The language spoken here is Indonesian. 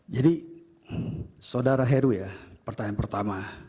jadi saudara heru ya pertanyaan pertama